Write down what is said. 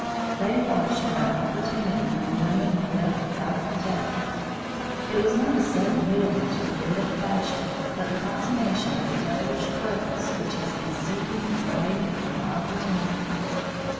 They watched for an opportunity when the women were left without a protector. It was not a sudden yielding to a fit of passion, but the consummation of a devilish purpose which has been seeking and waiting for the opportunity.